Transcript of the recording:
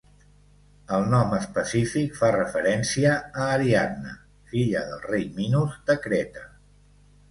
El nom específic fa referència a Ariadna, filla del rei Minos de Creta.